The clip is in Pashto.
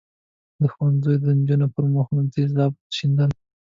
ښوونځیو د نجونو پر مخونو تېزاب شیندل.